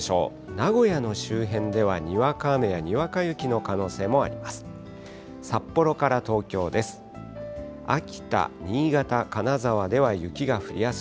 名古屋の周辺ではにわか雨やにわか雪の可能性もあります。